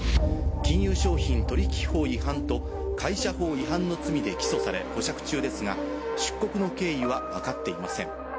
金融商品取引法違反と会社法違反の罪で起訴され保釈中ですが出国の経緯は分かっていません。